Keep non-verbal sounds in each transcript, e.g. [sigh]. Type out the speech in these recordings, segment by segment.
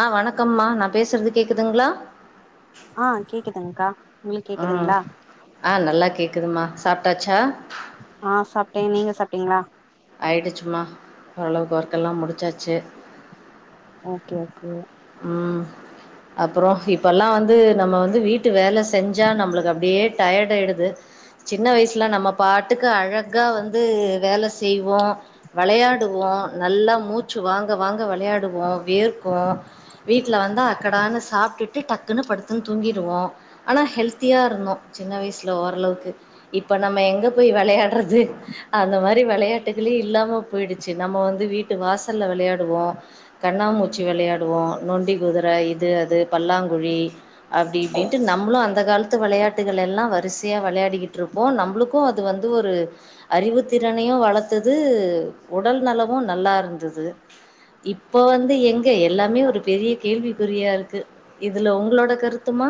ஆ வணக்கம்மா நா பேசறது கேக்குதுங்ளா ஆ கேக்குதுங்கா உம் ஆ நல்லா கேக்குதுமா சாப்டாச்சா ஆ சாப்டே நீங்க சாப்டீங்ளா ஆயிடுச்சும்மா ஒரளவுக்கு ஒர்க்கெல்லா முடிச்சாச்சு ஓகே ஓகே உம் அப்ற இப்பல்லா வந்து நம்ம வந்து வீட்டு வேல செஞ்சா நம்மளுக்கு அப்டியே டயேடாயிடுது சின்ன வய்ஸ்ல நம்ம பாட்டுக்கு அழகா வந்து வேல செய்வோ வெளையாடு வோ நல்லா மூச்சு வாங்க வாங்க வெளையாடுவோ வேர்க்கு வீட்ல வந்து அக்கடான்னு சாப்டுட்டு டக்குனு படுத்துன் தூங்கிருவோ ஆனா ஹெல்த்தியாகருந்தோ சின்ன வய்ஸ்ல ஓரளவுக்கு இப்ப நம்ம எங்கப் போய் வெளையாட்றது அந்த மாரி வெளையாட்டு திலியு இல்லாம போய்டுச்சு நம்ம வந்து வீட்டு வாசல்ல வெளையாடுவோ கண்ணாமூச்சி வெளையா டுவோ நொண்டி குதிர இது அது பல்லாங்குழி அப்டி இப்டின்ட்டு நம்ளு அந்த காலத்து வெளையா யாட்டுகள் எல்லா வரிஸ்சையா வெளையாடிகிட்ருப்போ நம்ளுக்கு அது வந்து ஒரு அறிவுத்திறனையு வளத் த்தது உடல் நலமு நல்லாருந்தது இப்ப வந்து எங்க எல்லாமே ஒரு பெரிய கேள்விக்குறியாருக்கு இதுல உங்ளோட கருத்துமா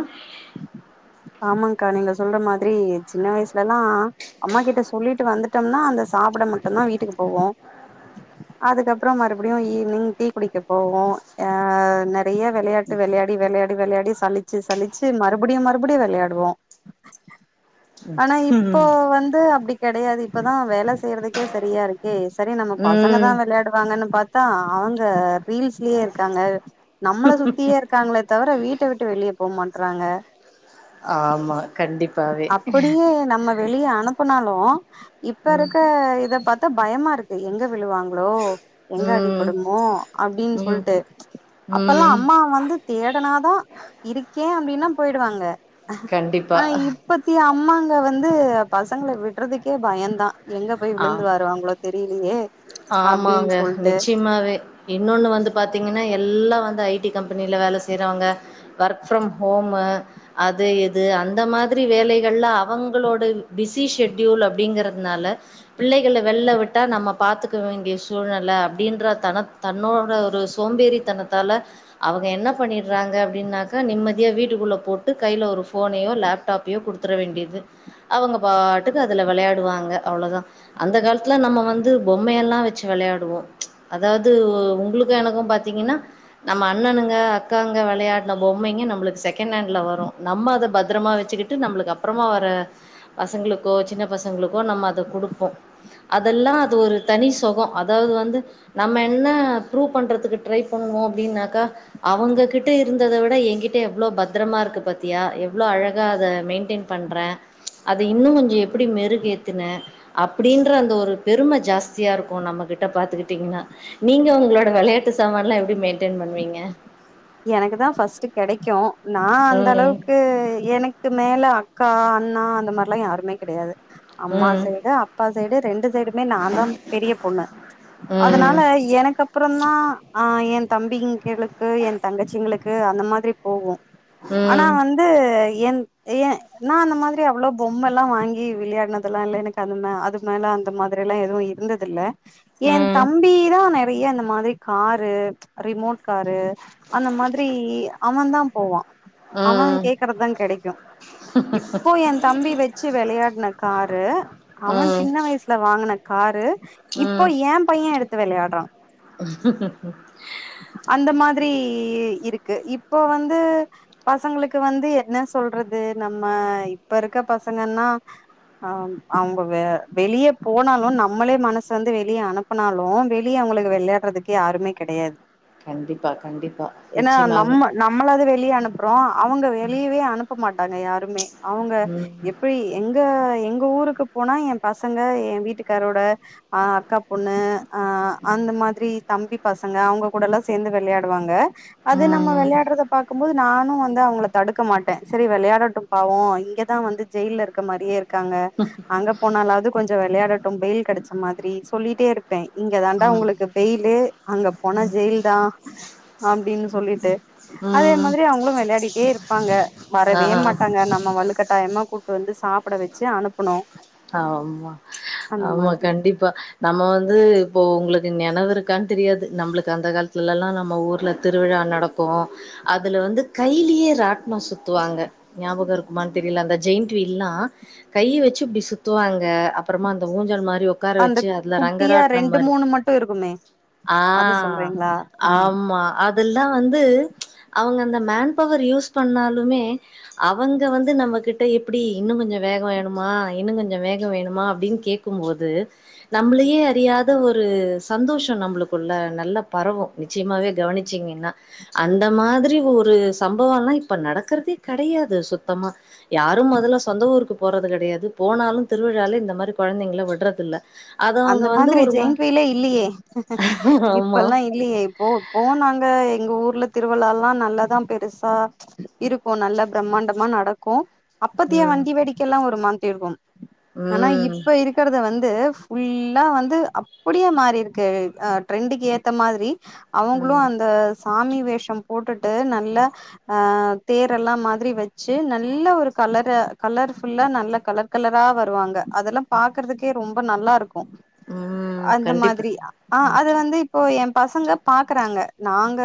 ஆமாங்கா நீங்க சொல்ற மாதிரி சின்ன வய்ஸ்லலா அம்மா கிட்ட சொல்லிட்டு வந்துடம்னா அந்தஸ் சாப்ட மட்டுந்தா வீட்டுக்கு போவோ அதுக்கப்ற மறுபடியு ஈவ்னிங் டீ குடிக்க போவோ அ நெட் நெறைய வெளையாட்டு வெளையாடி வெளையாடி வெளையாடி சலிச்சி சலிச்சி மறுபடியு மறு புடியு வெளையாடுவோ ஆனா இப்போ வந்து அப்டி கெடையாது இப்பதா வேல செய்றதுக்கே சரியாருக்கே சரி நம் நம்ம பாசங்கதா ம் வெளையாடுவாங்கன்னு பாத் தா அவுங்க ரீல்ஸ்லியே இருக்காங்க நம்மள சுத்தியே இருக்காங்ளேத் தவிர வீட் வீட்ட விட்டு வெளிய போமாட்றாங்க ஆமா கண்டிப்பாவே அப்படியே நம்ம வெளிய அனுப்புனாலு இப்ப இருக்க இத பாத்தா பயமாருக்கு எங்கவ் விழுவாங்ளோ எங்க ம் அடிப்படுமோ அப்டின் ம் சொல்ட்டு அப்பல்லா ம் அம்மா வந்து தேடனாதா இருக்கே அப்டினாப் டுவாங்க கண்டிப்பா ஆ இப்பத்திய அம்மாங்க வந்து பசங்கள விட் ட்றதுக்கே பயந்தா எங்க போய் ஆ விழுந்து வாருவாங்ளோ தெரிலியே ஆமாங்க நிச்சியமாவே இன்னொன்னு வந்து பாத்தீங்கன்னா எல்லா வந் ஐ டி கம்பெனில வேல செய்றவங்க ஒர்க் ஃபிரம் ஹோமு அது இது அந்த மாதி ரி வேலைகள்ல அவங்களோடு ஃபிஸி ஷெட்யூல் அப்டிங்கறத்னால பிள்ளைகள வெள்ல விட்டா நம்மப் பாத்துக்க வேண்டிய சூழ்நெல அப்டின்ற தனத் தன்னோட ஒரு சோம்பேறி தனத்தால அவ ங்க என்னப் பண்ணிட்றாங்க அப்டின்னாக்க நிம்மதியா வீட்டுக்குள்ள போட்டு கைல ஒரு ஃபோனையோ லேப்டாப்பியோ குடுத்தற வேண்டிது அவங்க பாட்டுக்கு அதுல வெளையாடுவாங்க அவ்ளதா அந்த காலத்துல நம்ம வந்து பொம்மையெல்லா வச்சு வெளையாடுவோ அதாவது உங்ளுக்கு எனக்கு பாத்தீங்கன்னா நம்ம அண்ணனு ங்க அக்காங்க வெளையாடுன பொம்மைங்க நம்ளுக்கு செகனண்ட்ல வரு நம்ம அத பத்திரமா வச்சுக்கிட்டு நம்ளுக்கு அப் பிறமா வர பசங்ளுக்கோ சின்னப் பசங்ளுக்கோ நம்ம அத குடுப்போ அதெல்லா அது ஒரு தனி சொக அதாவது வந்து நம்ம என்ன ப்ரூவ் பண்றதுக்கு ட்ரை பண்ணுவோ அப்டினாக்கா அவுங்ககிட்ட இருந்தத விட எங்கிட்ட எவ்ளோ பத்தரமா இருக்கு பாத்தியா எவ்ளோ அழகா அத மெயின்டெயின் பண் ண்ற அத இன்னு கொஞ்ச எப்டி மெருகேத்துன அப்டின்ற அந்த ஒரு பெரும ஜாஸ் சியாருக்கு நம்ம கிட்ட பாத்துக்கிட்டீங்னா நீங்க ஒங்ளோட வெளையாட்டு சாமான்லா எப்டி மெயின்டென் பண்வீங்க எனக்குதா ஃபஸ்ட்டு கெடைக்கு நா ம் அந்தளவுக்கு எனக்கு மேல அக்கா அண்ணா அந்த மார்லா யாருமே கெடையாது அம்மா ம் சைடு அப்பா சைடு ரெண்டு சைடுமே நாந்தா பெரிய பொண்ணு ம் அதனால எனக்கப்பறந் தா ஆ ஏந் தம்பிங்களுக்கு ஏந் தங்கச்சிங்ளுக்கு அந்த மாதிரி போவோ ஆனா ம் வந்து என் ஏ நா அந்த மாதிரி அவ்ளோ பொம்மல்லா வாங்கி விளையாட்னதெல்லா இல்ல எனக்கு அந்தமே அது மேல அந்த மாதிரிலா எதுவு இருந்ததில்ல ஏந் ம் தம்பிதா நெறைய இந்த மாதிரி காரு ரிமோட் காரு அந்த மாதிரி அவந்தா போவா அவ கேக்கறதா கெடைக்கு இப்போ ஏந் தம்பி வச்சு வெளையாட்ன காரு அவ ம் ம் சின்ன வய்ஸ்ல வாங்கன காரு இப்போ ம் ஏம் பைய எடுத்து வெளையாட்றா [inaudible] இ இருக்கு இப்போ வந்து பசங்ளுக்கு வந்து என்ன சொல்றது நம்ம இப்பருக்க பசங்கன்னா ஆம் அவுங்க வே வெளியப் போனாலு நம்மளே மனசு வந்து வெளிய அனுப்பனாலு வெளிய உங்களுக்கு வெளையாட்றதுக்கே யாருமே கெடையாது கண்டிப்பா கண்டிப்பா ஏனா நிச்சயமாவே நம்ம நம்மளாது வெளிய அனுப்றோ அவுங்க வெளியவே அனுப்ப மாட்டாங்க யாருமே அவுங்க ம் எப்பி எங்க எங்க ஊருக்கு போனா எம் பசங்க ஏ வீட்டுக்காரோட அ அக்காப் பொண்ணு அ அந்த மாதிரி தம்பி பசங்க அவுங்க கூடலா சேந்து வெளையாடுவாங்க அது நம்ம ம் வெளையாட்றத பாக்கும் போது நானு வந் து அவுங்கள தடுக்க மாட்டே செரி வெளையாடட்டு பாவோ இங்கதா வந்து ஜெயில்ல இருக்க மாரியேருக் க்காங்க அங்க போனாலாவது கொஞ்ச வெளையாடட்டும் பெயில் கெடச்ச மாதிரி சொல்லிட்டேருப் ப்பே இங்க தாண்டா ம் ஒங்ளுக்கு பெயிலு அங்க போன ஜெயில்தா அப்டின்னு ல்லிட்டு அதே ம் மாதிரி அவுங்ளு வெளையாடிட்டே இருப்பாங்க வரவே ஆ மாட்டாங்க நம்ம வலுக்கட்டாய மா கூட்டு வந்து சாப்ட வச்சு அனுப்புனு ஆமா ஆமா மாதிரி கண்டிப்பா நம்ம வந்து இப்போ ஒங்ளுக் நெனவுருக்கான் தெரியாது நம்ளுக்கு அந்த காலத்துலல்லா நம்ம ஊர்ல திருவிழா நடக்கு அதுல வந்து கையிலியே ராட்னோ சுத்துவாங்க நியாபக இருக்குமான் தெரில அந்த ஜெயின்ட் வீல்லா கை வச்சு இப்டி சுத்துவாங்க அப்பறமா அந்த ஊஞ்சல் மா ரி ஒக்கார அந்த வச்சு அதுல குட்டியா ரங்கராட்ன ரெண்டு மாரி மூணு மட்டு இருக்குமே ஆ அது சொல்றீங்களா ஆ ஆமா அதுல்லா வந்து அவங்க அந்த மேன் பவர் யூஸ் பண்ணாலுமே அவங்க வந்து நம்மகிட்ட எப்டி இன்னு கொஞ்ச வேக வேணுமா இன்னு கொஞ்ச வேக வேணுமா அப்டின் கேக்கும்போது நம்ளியே அறியாத ஒரு சந்தோஷ நம்ளுக் குள்ள நல்ல பரவு நிச்சியமாவே கவனிச்சீங்கின்னா அந்த மாதிரி ஒரு சம்பவம்ல் இப்ப நடக்கறதே கெடையாது சுத்தமா யாரு மொதல சொந்த ஊருக்கு போறது கெடையாது போனாலு திருவிழால இந்த மாரி கொழந்தைங்கள விட்றதில்ல அந்த மாதிரி ஜெயின்ட்விலே இல்லியே ஆமா இப்பல்லா இல்லியே இப்போ போ நாங்க அ எங்க ஊர் ல்ல திருவிழாலா நல்லாதா பெருசா இருக்கு நல்ல பிரமாண்டமா நடக்கு அப்பதியா ம் வண்டி வேடிக்கல்லா வருமான் தேடுவோம் ஆனா ம் இப்ப இருக்கிறத வந்து ஃபுல்லா வந்து அப்புடியே மாறிருக்கு அ ட்ரெண்டுக்கு ஏத்த மாதிரி அவுங்ளு ம் அந்தஸ் சாமி வேஷ போட்டுட்டு நல்ல அ தேரெல்லா மாதிரி வெச்சு நல்ல ஒருக் கலரு கலர் ஃபுல்லா நல்ல கலர் கலரா வருவாங்க அதெல்லா பாக்குறதுக்கே ரொம்ப நல்லா இருக் கு ம் அந்த கண்டிப்பா மாதிரி ஆ அது வந்து இப்போ எ பசங்க பாக்குறாங்க நாங்க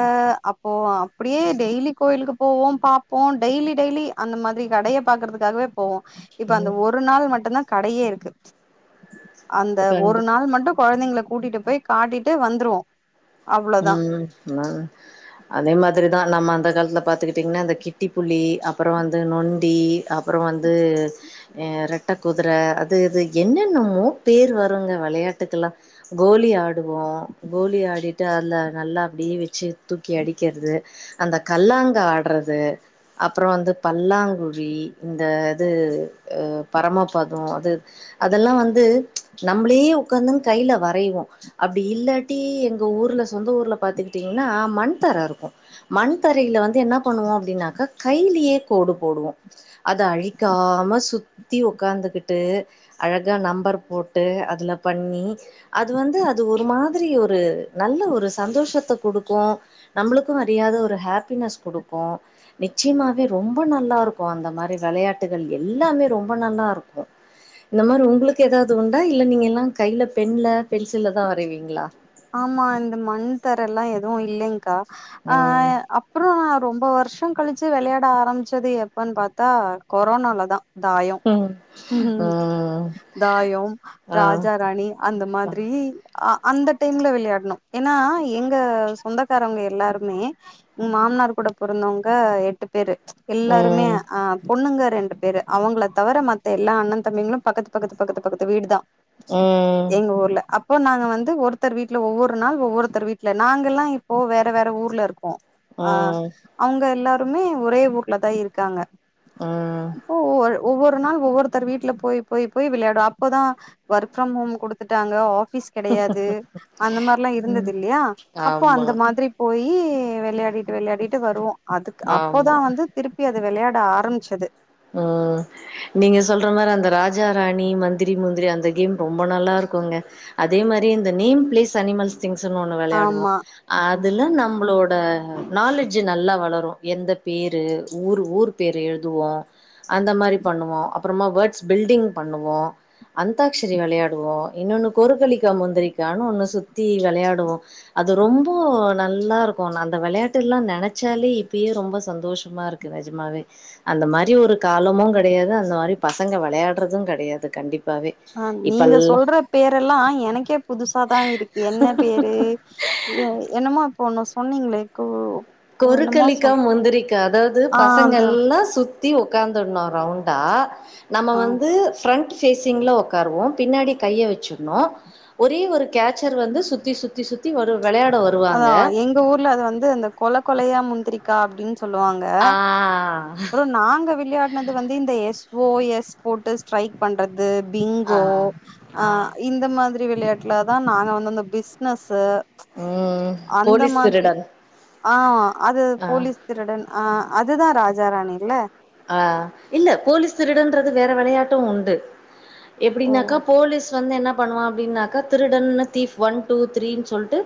அப்போ அப்டியே டெய்லி கோயிலுக்கு போவோ பாப்போ டெய்லி டெய்லி அந்த மாதிரி கடைய பாக்குறதுக்காகவே போவோ இப்ப அந்த ம் ஒரு நாள் மட்டுதா கடையே இருக்கு அந்த ஒரு கண்டிப் நாள் மட்டு கொழந்தைங்கள கூட்டிட்டு போய் காட்டிட்டு வந்துருவோ அவ்ளோதா ம் ஆ அதே மாதிரிதா நம்ம அந்த காலத்துல பாத்துக்கிட்டிங்கன்னா அந்த கிட்டிப்புலி அப்புற வந்து நொண்டி அப்புற வந்து ஆ ரெ ட்ட குதிர அது இது என்னென்னமோ பேர் வருங்க விளையாட்டுக்கெல்லா கோலி ஆடுவோ ஒ கோலி ஆடிட் டு அதுல நல்லா அப்டியே வெச்சு தூக்கி அடிக்கிறது அந்த கல்லாங்க ஆடுறது அப்புற வந்து பல்லாங்குழி இந்த இது இ பரமப்பதோ அது அதெல்லா வந்து நம்மளே உகாந்துன்னு கையில வரைவோ அப்டி இல்லாட்டி எங் க ஊர்ல சொந்த ஊர்ல பாத்துக்கிட்டீங்கன்னா மண் தர இருக்கு மண் தரையில வந்து என்ன பண்ணுவோ அப்டின்னாக் க கையிலயே கோடு போடுவோ அத அழிக்காம சுத்தி உக்காந்துகுட்டு அழகா நம்பர் போட்டு அதுல பண்ணி அது வந்து அது ஒரு மாதிரி ஒரு நல்ல ஒரு சந்தோஷத்த கொடுக்கு நம்மளுக்கு அரியாத ஒரு ஹாப்பினஸ் கொடுக்கு நி ச்சியமாவே ரொம்ப நல்லா இருக்கு அந்த மாரி வெளையாட்டுகள் எல்லாமே ரொம்ப நல்லா இருக்கு இந்த மாரி உங்களுக்கு ஏதாவது உண்டா இல்ல நீங்க எல்லா கையில பெண்ல பென்சில்ல தா வரைவீங்களா ஆமா இந்த மண் தர எல்லா எதுவு இல்லைங்க்கா ஆ ம் அப்புறா ரொம்ப வருஷ் ஒ கழிச்சு வெளையாட ஆரம்பிச்சது எப்பன்னு பாத்தா கொரோனாலதா தாயொ ம் ம் ஆ தாயோ ஆ ம் ராஜா ராணி அந்த ம் மாதிரி அ டீம்ல விளையாட்ணு ஏன்னா எங்க சொந்தக்காரவங்க எல்லாருமே மாமனார் கூட பொறந் வங்க எட்டு பேரு எல்லாருமே ம் அ பொண்ணுங்க ரெண்டு பேரு அவங்கள தவிர மத்த எல்லா அண்ணன் தம்பிங்களு பக்கத்து பக்கத்து பக்கத்து பக்கத்து வீடுதா ம் இப்போ நாங்க வந்து ஒருத்தர் வீட்ல ஒவ்வொரு நாள் ஒவ்வொருத்தர் வீட்ல நாங்கள்லா இப்போ வேற வேற ஊர்ல இருக்கோ ஆ அவங்க எல்லாருமே ஒரே ஊர்ல தா இருக்காங்க அப்போ ஒரு ஒவ்வொரு நாள் ஒவ்வொருத்தர் வீட்டுல போய் போய் போய் விளையாடுவு அப்போதா ஒர்க் ஃப்ரம் ஹோம் கொடுத்துட்டாங்க ஆ ஃபீஸ் கெடையாது அந்த மாரில்லா இருந்தது இல்லையா அப்போ ஆமா அந்த மாதிரி போய் யி விளையாடிட்டு விளையாடிட்டு வருவோ அதுக்கு அப்போதா ஆமா வந்து திருப்பி அது விளையாட ஆரம்பிச்சது ம் நீங்க சொல்ற மாரி அந்த ராஜா ராணி மந்திரி முந்திரி அந்த கேம் ரொம்ப நல்லா இருக்குங்க அதே மா ரி இந்த நேம் பிளேஸ் அனிமல்ஸ் திங்க்ஸுனு ஒண்ணு வெளையாடுவோ ஆமா அதுலா நம்பளோ ட நாலஜ்ஜு நல்லா வளரு எந்த பேரு ஊரு ஊரு பேரு எழுதுவோ அந்த மாரி பண்ணுவோ அப்புறமா வேர்ட்ஸ் பில்டிங் பண்ணுவோ அந்தாக்ஷரி விளையாடுவோ இன்னொன்னு கொறுக்களிக்கா முந்திரிக்கான்னு ஒன்னு சுத்தி விளையாடுவோ அது ரொம்ப நல்லா இருக்கு நா அந்த விளையாட்டு எல்லா நெனச்சாலே இப்பயே ரொம்ப சந்தோஷமா இருக்குவே நெஜமாவே அந்த மாரி ஒரு காலமு கெடையாது அந்த மாரி பசங்க வெளையாடுறது கெடையாது கண்டிப் ஆ நீங்க சொல்ற பேரெல்லா எனக்கே புதுசாதா இருக்கு என்ன பேரு. எ என்னமோ இப்பொ ஒண்ணு சொன்னீங்களே கூ கொருக்கலிக்கா முந்திருக்கா அதாவது ஆ பசங்க அது எல்லா சுத் தி உக்காந்துர்னு ரவுண்டா நம்ம ஆ வந்து ஃபிரண்ட் சேசிங்ல உக்காருவோ பின்னாடி கைய வச்சிருணு ஒரே ஒரு கேச்சர் வந்து சுத்தி சுத்தி சுத்தி வரு அதா எங்க ஊர்ல அது வந்து அந்த கொல கொலையா முந்திரிக்கா அப்டின்னு சொல்லுவாங்க ஆ அப்புறோ நாங்க விளையாடுனது வந்து இந்த எஸ் ஓ எஸ். போட்டு ஸ்ட்ரைக் பண்றது ஆ பிங்கோ அ ஆ இந்த மாதிரி விளையாட்டுலா தா நாங்க வந் அந்த பிஸ்னஸ் ம் அந்த போலீஸ் மாதிரி திருடன் ஆ அது ஆ போலீஸ் திருடன் அ அதுதா ராஜ ராணில்ல ஆ இல்ல போலீஸ் திருடன்றது வேற வெளையாட்டு உண்டு ஓ எப்படின்னாக்கா போலீஸ் வந்து என்னப் பண்ணுவ அப்படின்னாக்க திருடனு தீப் ஒன் டூ த்ரீனு சொல்ட்டு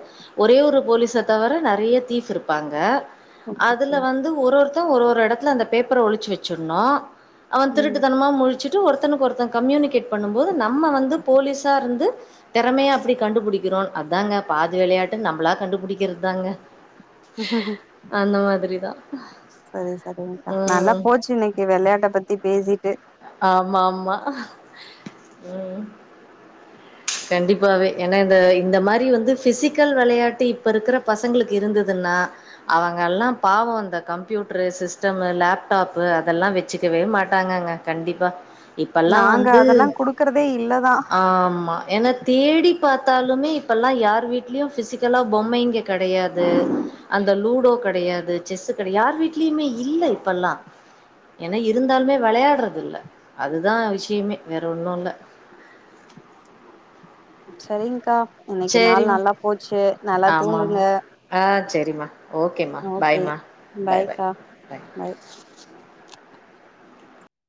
ஒரே ஒரு போலீஸ தவர நெறய தீஃப் இருப்பாங்க ஓகே ஓகே அதுல வந்து ஒரு ஒருத்த ஒரு ஒரு இடத்துல அந்த பேப்பர ஒழிச்சு வச்சிருனு அவன் ம் திருட்டுத்தனமா முழிச்சுட்டு ஒருத்தனுக்கு ஒருத்தன கம்யூனிகேட் பண்ணும் போது நம்ம வந்து போலீஸா இருந்து தெறமையா அப்டி கண்டுபிடிக்கிறோ அதாங்க பாதி வெளையாட்டு நம்மளா கண்டுபிடிக்கிறது தாங்க அந்த மாதிரி தா சரி சரிங்கக்கா நல்லா போச்சு இன்னைக்கு வெளையாட்ட பத்தி பேசிட்டு ஆமா ஆமா ம் கண்டிப்பாவே ஏன்னா இந்த இந்த மாரி வந்து பிசிக்கல் வெளையாட்டு இப்ப இருக்கிற பசங்களுக்கு இருந்து இதுன்னா அவங்க எல்லா பாவ இந்த கம்ப்யூட்டரு சிஸ்டம் லேப்டாப் அதெல்லா வச்சு க்கவே மாட்டாங்கங்க கண்டிப்பா இப்பெல்லா நாங்க வந்து அதெல்லா குடுக்கறதே இல்லதா ஆமா நா தேடிப்பா பாத்தாலுமே இப்பெல்லா யார் வீட்லயு பிசிக்கலா பொம்மைங்க கெடையாது அந்த லூடோக் கெடையாது செஸ்கெடையா யார் வீட்லயுமே இல்ல இப்பல்லா ஏன்னா இருந்தாலுமே வெளையாடுறது இல்ல அதுதா விஷயமே வேற ஒன்னு இல்ல சரிங்க்கா இன்னைக்கு நாள் சரிம்மா. நல்லா போச்சு நல்லா தூங்குங்க. சரிம்மா ஓகேம்மா ஓகே பாய்மமா பாய் பாய் பாய்க்கா பாய்